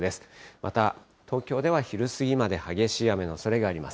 また東京では昼過ぎまで激しい雨のおそれがあります。